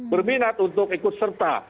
berminat untuk ikut serta